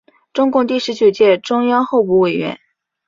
中共第十九届中央候补委员。